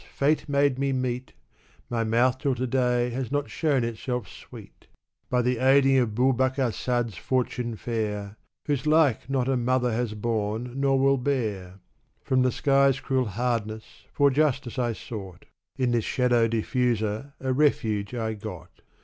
Fate made me meet, My mouth tiU to day has not shown itself sweet. By the aiding of Bu Bakar Sad's fortune fair — Whose like not a mother has borne nor will bear — From the sky's cruel hardness, for justice I sought ; In this shadow diflluser, a refoge I got.